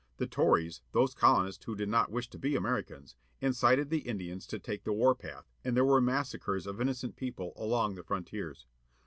The Tories, those colonists who did not wish to be Americans, incited the Indians to take the war path, and there were massacres of innocent people along the frontiers.